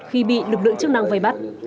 khi bị lực lượng chức năng vây bắt